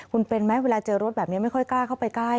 คุณเป็นไหมเวลาเจอรถแบบนี้ไม่ค่อยกล้าเข้าไปใกล้